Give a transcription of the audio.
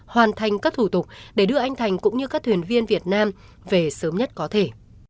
hoàn thành các thủ tục để đưa anh thành cũng như các thuyền viên việt nam về sớm nhất có thể